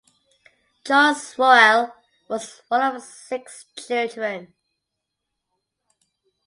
Charles Roehl was one of six children.